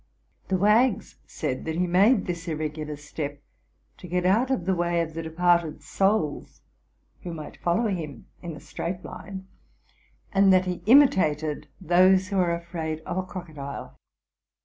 'The wags said that he made this irregu lar step to get out of the way of the departed souls, who might follow him in a straight line, and that he imitated those who are afraid of a crocodile.